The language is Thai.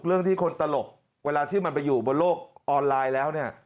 เรื่องที่คนตลกเวลาที่มันไปอยู่บนโลกออนไลน์แล้วเนี่ย